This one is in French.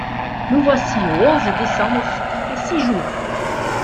Nous voici au onze décembre, ce qui fait six jours.